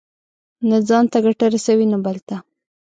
نه ځان ته ګټه رسوي، نه بل ته.